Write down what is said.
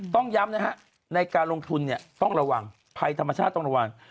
ต้องย้ำนะฮะในการลงทุนเนี่ยต้องระวังภัยธรรมชาติต้องระวัง